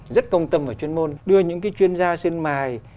rất công tâm và chuyên môn đưa những cái chuyên gia sơn mài